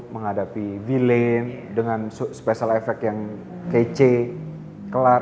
menghadapi villane dengan special effect yang kece kelar